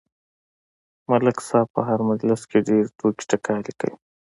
ملک صاحب په هر مجلس کې ډېرې ټوقې ټکالې کوي.